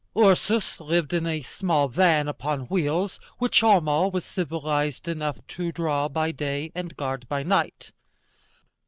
Ursus lived in a small van upon wheels, which Homo was civilized enough to draw by day and guard by night.